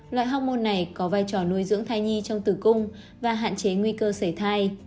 loại hóc môn này có vai trò nuôi dưỡng thai nhi trong tử cung và hạn chế nguy cơ sởi thai